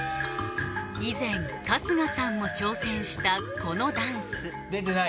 以前春日さんも挑戦したこのダンス出てない？